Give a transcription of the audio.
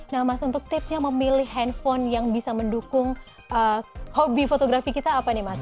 nah mas untuk tipsnya memilih handphone yang bisa mendukung hobi fotografi kita apa nih mas